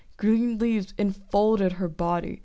Green leaves enfolded her body.